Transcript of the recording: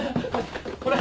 これ。